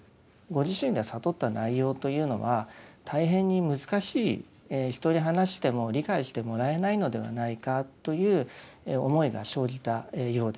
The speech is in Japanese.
ご自身で悟った内容というのは大変に難しい人に話しても理解してもらえないのではないかという思いが生じたようです。